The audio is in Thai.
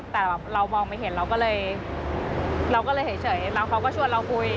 แต่เรามองไม่เห็นเราก็เลยเราก็เลยเฉยแล้วเขาก็ชวนเราคุย